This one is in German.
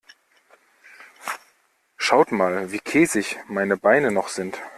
Schaut mal, wie käsig meine Beine noch sind.